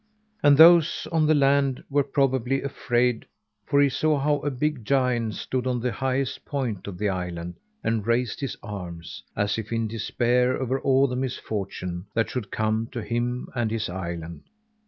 And those on the land were probably afraid, for he saw how a big giant stood on the highest point of the island and raised his arms as if in despair over all the misfortune that should come to him and his island.